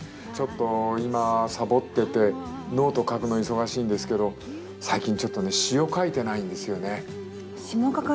ちょっと今サボっててノート書くの忙しいんですけど最近ちょっとね詩を書いてないんですよね。